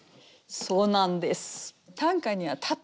そうなんです。